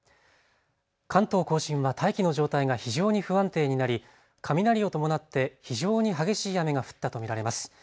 関東甲信は大気の状態が非常に不安定になり雷を伴って非常に激しい雨が降ったと見られます。